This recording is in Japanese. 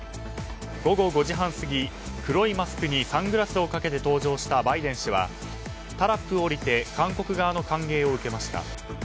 午後５時半過ぎ黒いマスクにサングラスをかけて登場したバイデン氏はタラップを降りて韓国側の歓迎を受けました。